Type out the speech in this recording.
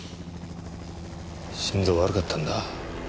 心臓悪かったんだ。